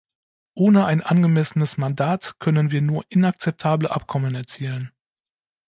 Ohne ein angemessenes Mandat können wir nur inakzeptable Abkommen erzielen.